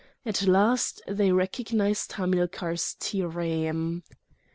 At last they recognised Hamilcar's trireme.